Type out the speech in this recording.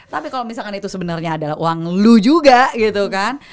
tapi kalau misalkan itu sebenarnya adalah uang lu juga gitu kan